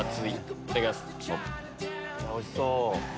おいしそう！